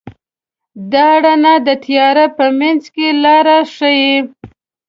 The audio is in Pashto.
دا رڼا د تیارو په منځ کې لاره ښيي.